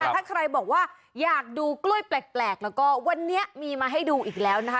แต่ถ้าใครบอกว่าอยากดูกล้วยแปลกแล้วก็วันนี้มีมาให้ดูอีกแล้วนะคะ